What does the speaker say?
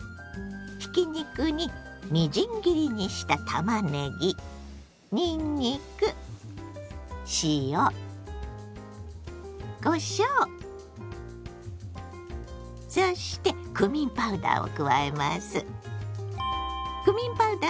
ひき肉にみじん切りにしたたまねぎにんにく塩こしょうそしてクミンパウダーを加えます。